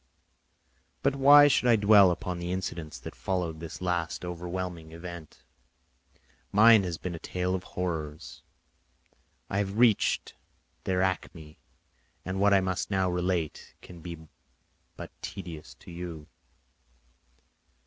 But why should I dwell upon the incidents that followed this last overwhelming event? Mine has been a tale of horrors; I have reached their acme, and what I must now relate can but be tedious to you.